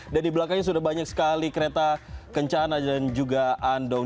dan di belakangnya sudah banyak sekali kereta kencana dan juga andong